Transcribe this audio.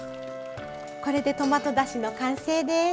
これでトマトだしの完成です。